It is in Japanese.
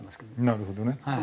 なるほどね。